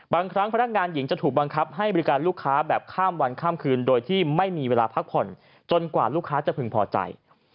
บางครั้งพนักงานหญิงจะถูกบังคับให้บริการลูกค้าแบบข้ามวันข้ามคืนโดยที่ไม่มีเวลาพักผ่อนจนกว่าลูกค้าจะพึงพอใจ